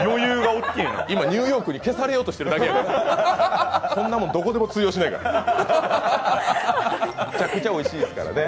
今、ニューヨークに消されようとしてるだけだから、そんなもん、どこでも通用しないから。